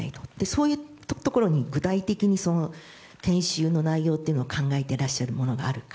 そういうところで具体的に研修の内容を考えていらっしゃるものがあるか。